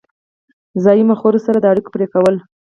ځایي مخورو سره د اړیکو پرې کول.